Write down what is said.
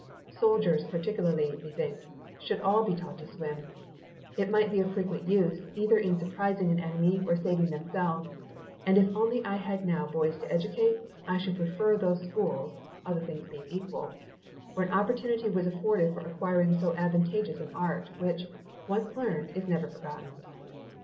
Soldiers particularly should, methinks, all be taught to swim; it might be of frequent use, either in surprising an enemy or saving themselves; and if I had now boys to educate, I should prefer those schools (other things being equal) where an opportunity was afforded for acquiring so advantageous an art, which, once learned, is never forgotten.